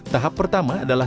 tahap pertama adalah